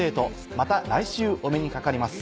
また来週お目にかかります。